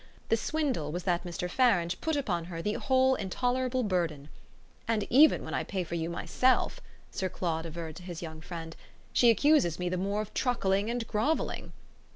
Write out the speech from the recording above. The swindle was that Mr. Farange put upon her the whole intolerable burden; "and even when I pay for you myself," Sir Claude averred to his young friend, "she accuses me the more of truckling and grovelling."